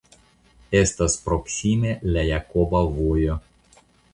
Estas proksime la Jakoba Vojo.